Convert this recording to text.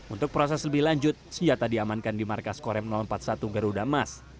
untuk proses lebih lanjut senjata diamankan di markas korem empat puluh satu garuda emas